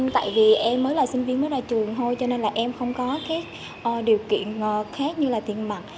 tại vì em mới là sinh viên mới ra trường thôi cho nên là em không có điều kiện khác như là tiền mặt